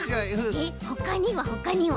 えっほかにはほかには？